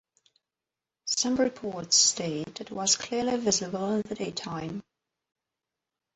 Some reports state it was clearly visible in the daytime.